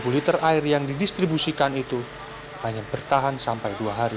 satu liter air yang didistribusikan itu hanya bertahan sampai dua hari